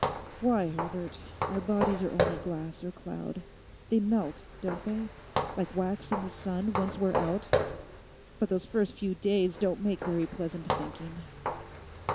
Why, Herbert, our bodies are only glass or cloud. They melt, don't they, like wax in the sun once we're out. But those first few days don't make very pleasant thinking.